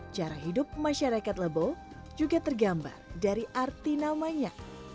cara hidup masyarakat lebo juga tergambar dari arti namanya